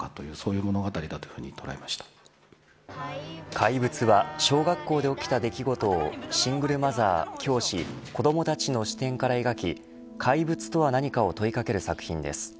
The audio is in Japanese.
怪物は小学校で起きた出来事をシングルマザー、教師子どもたちの視点から描き怪物とは何かを問いかける作品です。